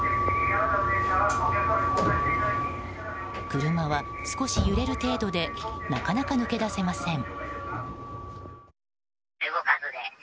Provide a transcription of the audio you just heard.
車は少し揺れる程度でなかなか抜け出せません。